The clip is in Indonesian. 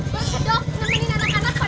dok nemenin anak anak padahal kita yang main